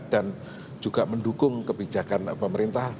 dan juga mendukung kebijakan pemerintah